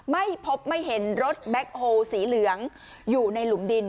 ไม่พบไม่เห็นรถแบ็คโฮลสีเหลืองอยู่ในหลุมดิน